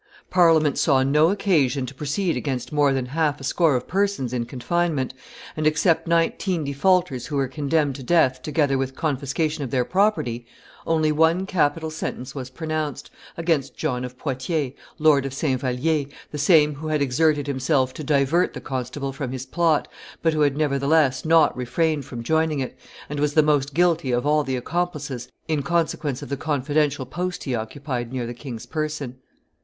Parliament saw no occasion to proceed against more than a half score of persons in confinement, and, except nineteen defaulters who were condemned to death together with confiscation of their property, only one capital sentence was pronounced, against John of Poitiers, Lord of Saint Vallier, the same who had exerted himself to divert the constable from his plot, but who had nevertheless not refrained from joining it, and was the most guilty of all the accomplices in consequence of the confidential post he occupied near the king's person.